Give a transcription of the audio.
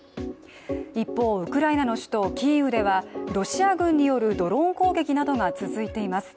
一方、ウクライナの首都キーウではロシア軍によるドローン攻撃などが続いています。